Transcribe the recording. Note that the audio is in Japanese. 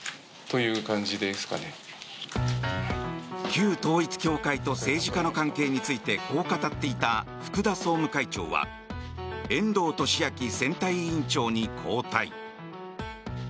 旧統一教会と政治家の関係についてこう語っていた福田総務会長は遠藤利明選対委員長に交代。